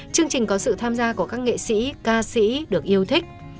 chương trình có sự tham gia của các nghệ sĩ ca sĩ được yêu thích